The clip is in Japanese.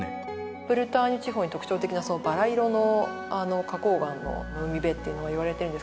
ブルターニュ地方に特徴的なバラ色の花崗岩の海辺っていうのがいわれてるんですけど